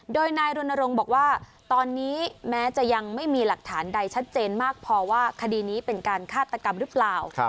โดยนายรณรงค์บอกว่าตอนนี้แม้จะยังไม่มีหลักฐานใดชัดเจนมากพอว่าคดีนี้เป็นการฆาตกรรมหรือเปล่า